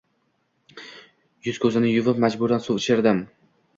yuz-ko‘zini yuvib, majburan suv ichirdim.